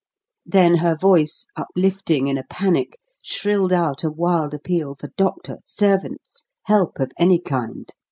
Then her voice, uplifting in a panic, shrilled out a wild appeal for doctor, servants help of any kind.